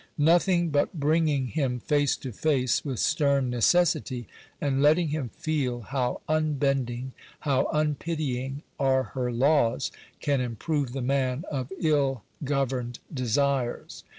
Nothing but bringing him face to face with stern necessity, and letting him feel how unbending, how unpitying, are her laws, can improve the man of ill governed desires.